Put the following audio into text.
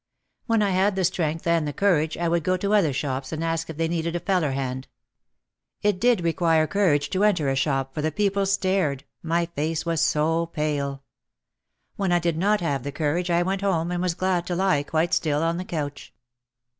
When I had the strength and the courage I would go to other shops and ask if they needed a feller hand. It did require courage to enter a shop for the people stared, my face was so pale. When I did not have the courage I went home and was glad to lie quite still on the couch.